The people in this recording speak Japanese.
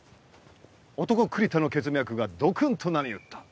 男栗田の血脈がドクンと波打った。